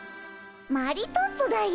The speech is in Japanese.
マリトッツォだよ。